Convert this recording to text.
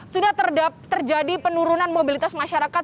sudah terjadi penurunan mobilitas masyarakat